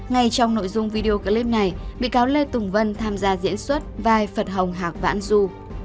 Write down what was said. ngay trong nội dung video clip này bị cáo lê tùng vân tham gia diễn xuất vai phật hồng hạc vãn du